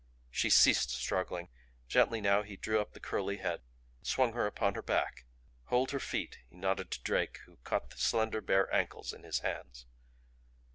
She ceased struggling; gently now he drew up the curly head; swung her upon her back. "Hold her feet." He nodded to Drake, who caught the slender bare ankles in his hands.